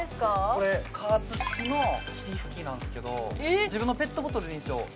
これ加圧式の霧吹きなんすけど自分のペットボトルでいいんですよ